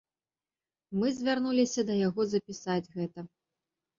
Мы звярнуліся да яго запісаць гэта.